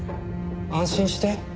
安心して。